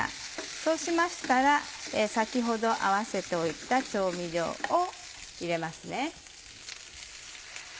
そうしましたら先ほど合わせておいた調味料を入れますね。